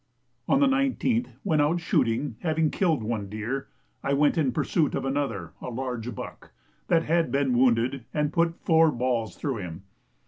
On the 19th, when out shooting, having killed one deer, I went in pursuit of another (a large buck) that had been wounded, and put four balls through him.